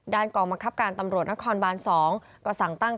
กองบังคับการตำรวจนครบาน๒ก็สั่งตั้ง